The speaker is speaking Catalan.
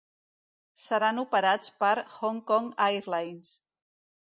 Seran operats per Hong Kong Airlines.